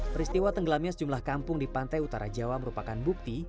peristiwa tenggelamnya sejumlah kampung di pantai utara jawa merupakan bukti